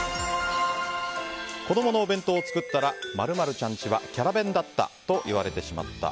子供のお弁当を作ったら○○ちゃんちはキャラ弁だったと言われてしまった。